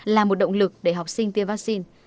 là một động lực để học sinh tiêm vaccine